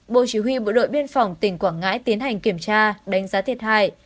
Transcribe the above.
bộ chỉ huy bộ đội biên phòng tỉnh quảng ngãi tiến hành kiểm tra đánh giá thiệt hại